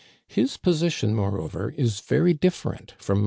His position, more over, is very different from.